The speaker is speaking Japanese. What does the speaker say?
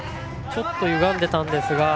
ちょっとゆがんでいたんですが。